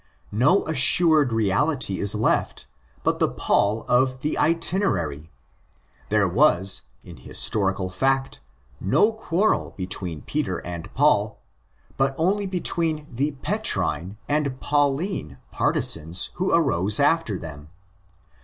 No assured reality is left but the Paul of the Itinerary. There was, in historical fact, no quarrel between Peter and Paul, but only between the '' Petrine"' and '' Pauline "' partisans who arose after them.